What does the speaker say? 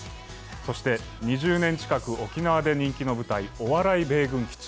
そして２０年近く沖縄で人気の舞台「お笑い米軍基地」。